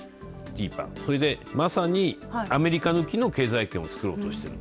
それで、まさにアメリカ向きの経済圏を作ろうとしている。